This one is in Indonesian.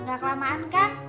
nggak kelamaan kan